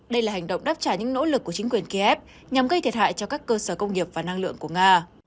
đây là hành động đáp trả những nỗ lực của chính quyền kiev nhằm gây thiệt hại cho các cơ sở công nghiệp và năng lượng của nga